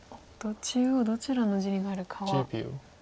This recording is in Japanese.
中央どちらの地になるかは。